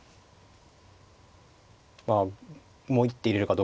まあもう一手入れるかどうかですね。